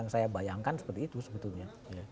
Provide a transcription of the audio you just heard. yang saya bayangkan seperti itu sebetulnya